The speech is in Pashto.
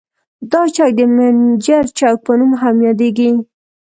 دا چوک د منجر چوک په نوم هم یادیږي.